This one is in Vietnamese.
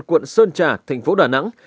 quận sơn trà thành phố đà nẵng